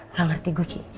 nggak ngerti gue ki